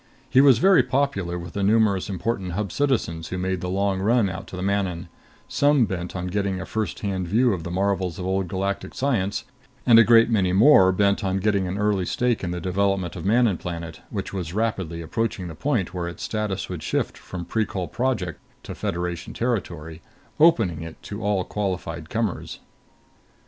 He was very popular with the numerous important Hub citizens who made the long run out to the Manon some bent on getting a firsthand view of the marvels of Old Galactic science, and a great many more bent on getting an early stake in the development of Manon Planet, which was rapidly approaching the point where its status would shift from Precol Project to Federation Territory, opening it to all qualified comers.